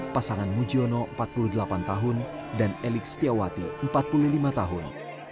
pasangan mujiono empat puluh delapan tahun dan elik setiawati empat puluh lima tahun